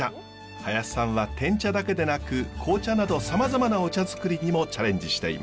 林さんはてん茶だけでなく紅茶などさまざまなお茶づくりにもチャレンジしています。